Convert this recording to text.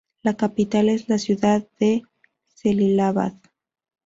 La capital es la ciudad de Cəlilabad.